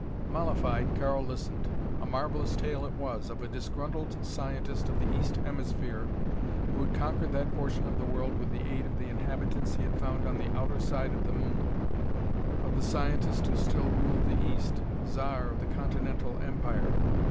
Mollified, Karl listened. A marvelous tale it was, of a disgruntled scientist of the Eastern Hemisphere who had conquered that portion of the world with the aid of the inhabitants he had found on the outer side of the Moon; of the scientist who still ruled the East Zar of the Continental Empire.